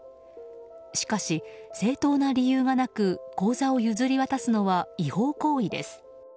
しかし、正当な理由がなく口座を譲り渡すのは違法行為です。